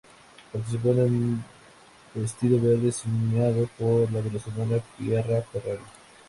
Participó con un vestido verde diseñado por la venezolana Piera Ferrari.